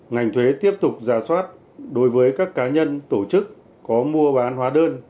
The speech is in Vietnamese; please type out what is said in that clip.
ngành thuế tiếp tục giả soát đối với các cá nhân tổ chức có mua bán hóa đơn